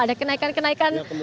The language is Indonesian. ada kenaikan kenaikan kan